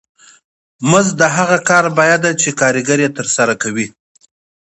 مزد د هغه کار بیه ده چې کارګر یې ترسره کوي